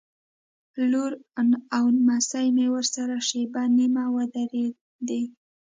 لور او نمسۍ مې ورسره شېبه نیمه ودرېدې.